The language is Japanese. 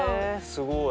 すごい。